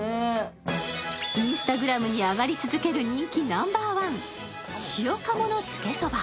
Ｉｎｓｔａｇｒａｍに上がり続けるナンバーワン、塩鴨のつけＳＯＢＡ。